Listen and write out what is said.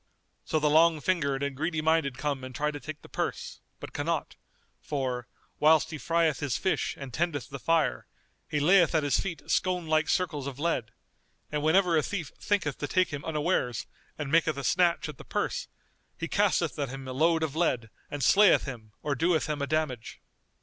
So the long fingered and greedy minded come and try to take the purse, but cannot; for, whilst he frieth his fish and tendeth the fire, he layeth at his feet scone like circles of lead; and whenever a thief thinketh to take him unawares and maketh a snatch at the purse he casteth at him a load of lead and slayeth him or doeth him a damage.